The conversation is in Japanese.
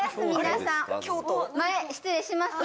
前失礼します。